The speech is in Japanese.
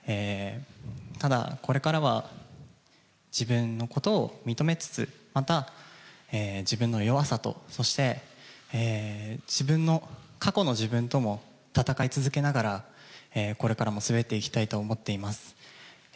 ただ、これからは自分のことを認めつつ、また、自分の弱さと、そして自分の、過去の自分とも戦い続けながら、これからも滑っていきたいと思っています。